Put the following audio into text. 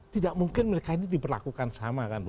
tidak mungkin mereka ini diperlakukan sama kan